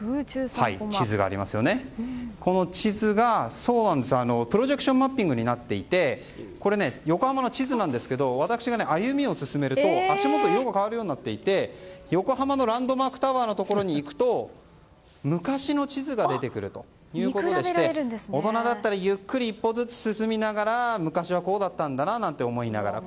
地図がプロジェクションマッピングになっていてこれは横浜の地図なんですが私が歩みを進めると足元の色が変わるようになっていて横浜のランドマークタワーのところに行くと昔の地図が出てくるということでして大人だったらゆっくり１歩ずつ進みながら昔はこうだったと思いながら。